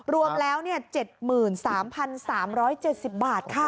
รวมแล้ว๗๓๓๗๐บาทค่ะ